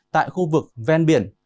tại khu vực ven biển